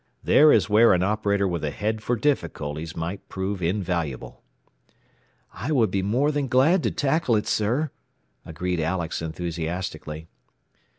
There is where an operator with a head for difficulties might prove invaluable." "I would be more than glad to tackle it, sir," agreed Alex enthusiastically.